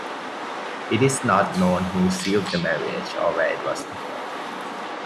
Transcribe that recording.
It is not known who sealed the marriage or where it was performed.